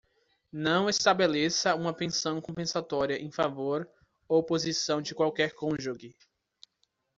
Não estabeleça uma pensão compensatória em favor ou posição de qualquer cônjuge.